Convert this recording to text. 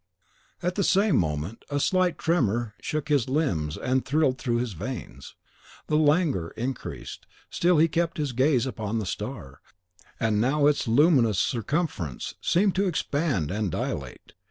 At the same moment a slight tremor shook his limbs and thrilled through his veins. The languor increased, still he kept his gaze upon the star, and now its luminous circumference seemed to expand and dilate.